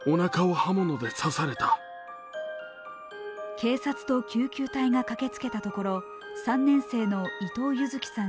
警察と救急隊が駆けつけたところ３年生の伊藤柚輝さん